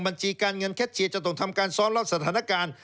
บัญชีการเงินแคทเชียร์จะต้องทำการซ้อมรอบสถานการณ์